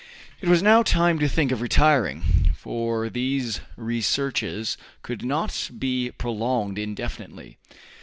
It was now time to think of returning, for these researches could not be prolonged indefinitely.